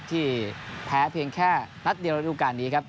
ที่แพ้เพียงแค่นัดเดียวระดูการนี้ครับ